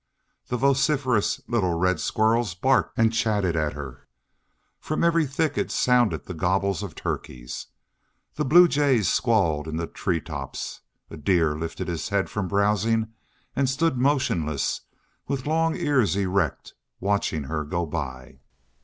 The vociferous little red squirrels barked and chattered at her. From every thicket sounded the gobble of turkeys. The blue jays squalled in the tree tops. A deer lifted its head from browsing and stood motionless, with long ears erect, watching her go by.